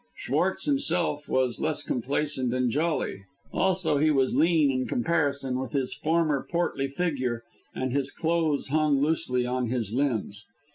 Schwartz himself was less complacent and jolly, also he was lean in comparison with his former portly figure, and his clothes hung loosely on his limbs.